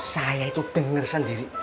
saya itu denger sendiri